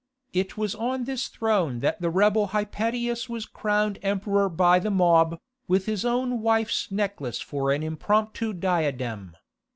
It was on this throne that the rebel Hypatius was crowned emperor by the mob, with his own wife's necklace for an impromptu diadem.